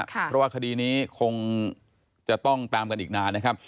เพราะว่าคดีนี้คงจะต้องตามกันอีกนานนะครับ